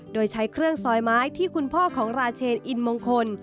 โดยใช้เครื่องซอยไม้ที่คุณพ่อของราเชนอินมงคล